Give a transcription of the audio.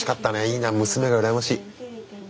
いいな娘が羨ましい。